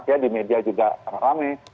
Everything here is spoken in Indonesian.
ya di media juga sangat rame